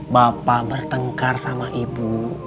bapak bertengkar sama ibu